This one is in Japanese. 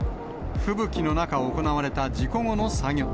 吹雪の中行われた事故後の作業。